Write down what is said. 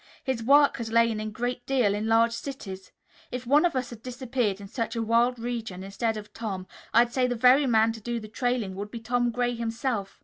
His work has lain a great deal in large cities. If one of us had disappeared in such a wild region, instead of Tom, I'd say the very man to do the trailing would be Tom Gray himself.